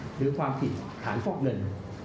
หรือความผิดฐานฟอกเงิน